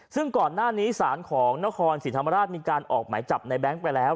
ซึ่งก่อนหน้านี้สารของนครศรีธรรมราชมีการออกหมายจับในแง๊งไปแล้ว